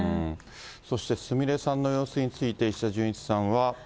そしてすみれさんの様子について、石田純一さんは。